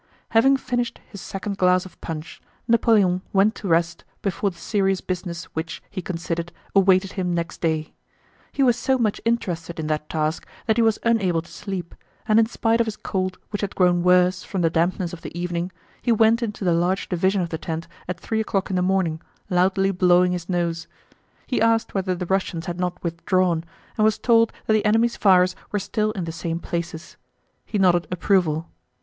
Having finished his second glass of punch, Napoleon went to rest before the serious business which, he considered, awaited him next day. He was so much interested in that task that he was unable to sleep, and in spite of his cold which had grown worse from the dampness of the evening, he went into the large division of the tent at three o'clock in the morning, loudly blowing his nose. He asked whether the Russians had not withdrawn, and was told that the enemy's fires were still in the same places. He nodded approval.